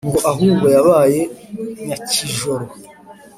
Ngo ahubwo yabaye nyakijoro